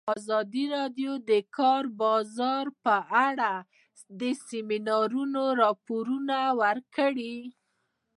ازادي راډیو د د کار بازار په اړه د سیمینارونو راپورونه ورکړي.